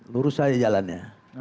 lurus saja jalannya